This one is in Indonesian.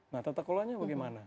nah tata kelolanya bagaimana